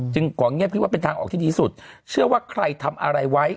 ของเงียบพี่ว่าเป็นทางออกที่ดีสุดเชื่อว่าใครทำอะไรไว้